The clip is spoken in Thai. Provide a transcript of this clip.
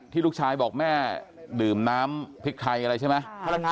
ลูกชายบอกแม่ดื่มน้ำพริกไทยอะไรใช่ไหม